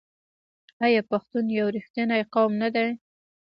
آیا پښتون یو رښتینی قوم نه دی؟